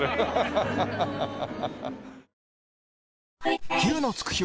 ハハハハハ。